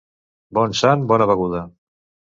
Bon sant, bona beguda.